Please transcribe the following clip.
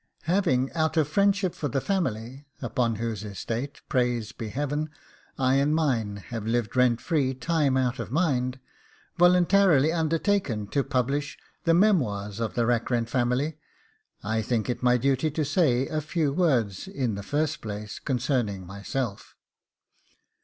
Having, out of friendship for the family, upon whose estate, praised be Heaven! I and mine have lived rent free time out of mind, voluntarily undertaken to publish the MEMOIRS OF THE RACKRENT FAMILY, I think it my duty to say a few words, in the first place, concerning myself.